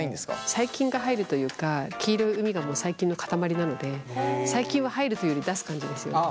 細菌が入るというか黄色い膿が細菌の塊なので細菌は入るというより出す感じですよね。